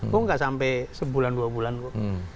kok nggak sampai sebulan dua bulan kok